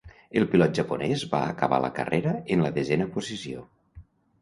El pilot japonès va acabar la carrera en la desena posició.